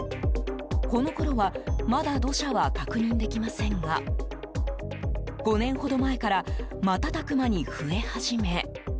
このころはまだ土砂は確認できませんが５年ほど前から瞬く間に増え始め。